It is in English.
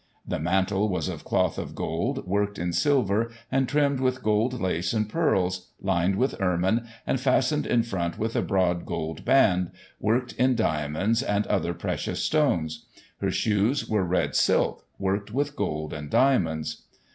The mantle was of cloth of gold, worked in silver, and trimmed with gold lace and pearls, lined with ermine, and fastened in front with a broad gold band, worked in diamonds and other precious stones. Her shoes were red silk, worked with gold and diamonds.